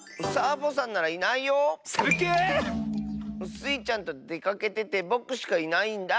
スイちゃんとでかけててぼくしかいないんだ。